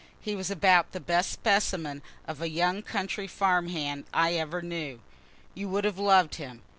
He was about the best specimen of a young country farm hand I ever knew. You would have loved him.